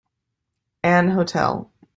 An hotel.